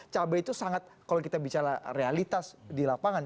cabai itu sangat kalau kita bicara realitas di lapangan